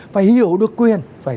phải hiểu được quyền